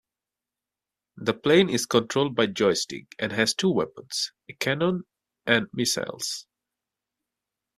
The plane is controlled by joystick and has two weapons: a cannon and missiles.